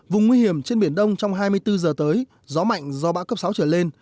vùng nguy hiểm trên biển đông trong hai mươi bốn giờ tới gió mạnh do bão cấp sáu trở lên